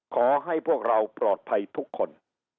ขอให้พวกเราปลอดภัยทุกคน